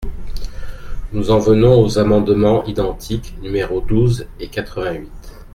Nous en venons aux amendements identiques numéros douze et quatre-vingt-huit.